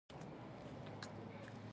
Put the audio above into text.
ګټورو ملګرو لیدنې ولرئ.